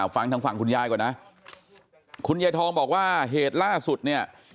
ฟังทางฝั่งคุณยายก่อนนะคุณยายทองบอกว่าเหตุล่าสุดเนี่ย